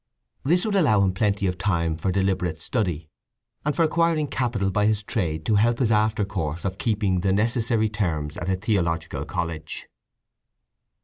This would allow him plenty of time for deliberate study, and for acquiring capital by his trade to help his aftercourse of keeping the necessary terms at a theological college.